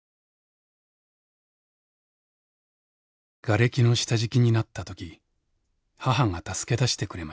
「がれきの下敷きになった時母が助け出してくれました。